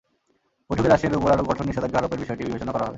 বৈঠকে রাশিয়ার ওপর আরও কঠোর নিষেধাজ্ঞা আরোপের বিষয়টি বিবেচনা করা হবে।